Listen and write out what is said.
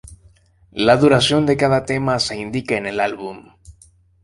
La duración de cada tema se indica en el álbum.